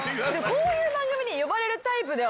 こういう番組に呼ばれるタイプではない。